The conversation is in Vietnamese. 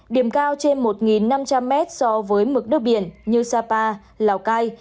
điểm cao trên một năm trăm linh mét so với mực nước biển như sapa lào cai